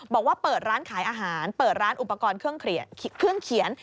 บอกว่าเปิดร้านขายอาหารเปิดร้านอุปกรณ์เครื่องเขียน